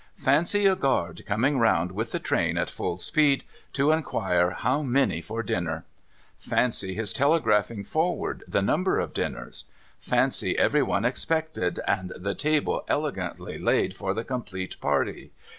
Fancy a guard coming round, with the train at full speed, to inquire how many for dinner. Fancy his telegrajjhing forward the number of dinners. Fancy every one expected, and the table elegantly laid for the complete party.